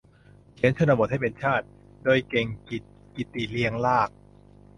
"เขียนชนบทให้เป็นชาติ" โดย เก่งกิจ กิติเรียงลาภ